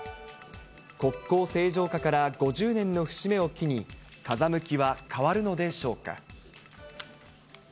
国交正常化から５０年の節目を機に、風向きは変わるのでしょうか。